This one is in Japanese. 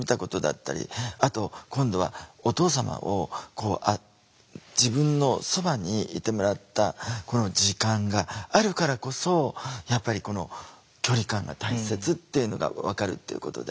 あと今度はお父様を自分のそばにいてもらったこの時間があるからこそやっぱりこの距離感が大切っていうのが分かるっていうことで。